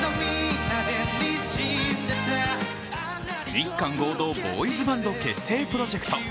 日韓合同ボーイズバンド結成プロジェクト